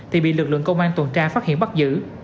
thì bị lực lượng công an tuần tra phát hiện bắt giữ